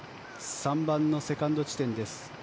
３番のセカンド地点です。